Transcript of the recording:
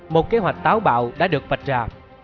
một kế hoạch táo bạo đã được vạch ra